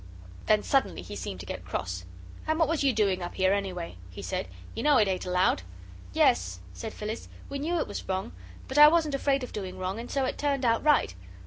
Then suddenly he seemed to get cross. "And what was you doing up here, anyway?" he said; "you know it ain't allowed." "Yes," said Phyllis, "we knew it was wrong but I wasn't afraid of doing wrong, and so it turned out right.